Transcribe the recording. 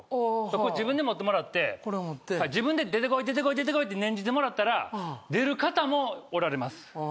これ自分で持ってもらってこれを持って自分で出てこい出てこい出てこいって念じてもらったら出る方もおられますあ